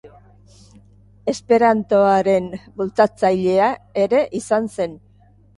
Esperantoaren bultzatzailea ere izan zen.